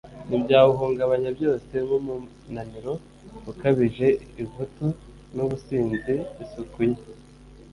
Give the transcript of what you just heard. n’ibyawuhungabanya byose, nk’umunaniro ukabije, ivutu n’ubusinzi, isuku nke